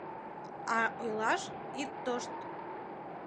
А ойлаш — ит тошт!